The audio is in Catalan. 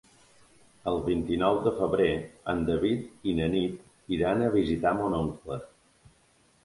El vint-i-nou de febrer en David i na Nit iran a visitar mon oncle.